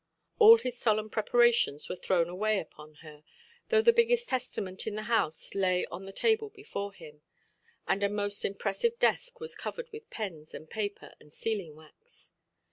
All his solemn preparations were thrown away upon her, though the biggest Testament in the house lay on the table before him; and a most impressive desk was covered with pens, and paper, and sealing–wax.